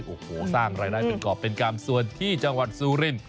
โอ้โหสร้างรายได้เป็นกรอบเป็นกรรมส่วนที่จังหวัดซูริน